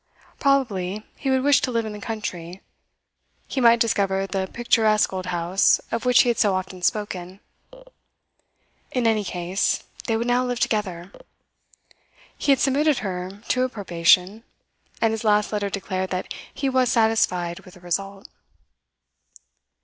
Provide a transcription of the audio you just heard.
Probably he would wish to live in the country; he might discover the picturesque old house of which he had so often spoken. In any case, they would now live together. He had submitted her to a probation, and his last letter declared that he was satisfied with the result.